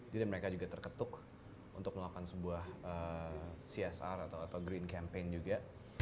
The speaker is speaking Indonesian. jadi mereka juga terketuk untuk melakukan sebuah csr atau green campaign juga